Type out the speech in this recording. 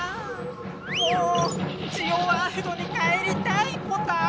もうジオワールドに帰りたいポタァ。